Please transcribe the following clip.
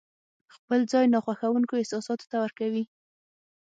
خپل ځای ناخوښونکو احساساتو ته ورکوي.